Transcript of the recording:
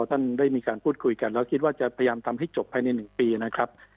ท่านเรียกไม่การพูดคุยกันแล้วคิดว่าจะไปยังทำให้จบภายในหนึ่งปีนะครับ